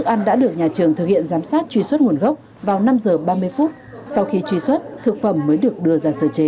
thức ăn đã được nhà trường thực hiện giám sát truy xuất nguồn gốc vào năm h ba mươi phút sau khi truy xuất thực phẩm mới được đưa ra sơ chế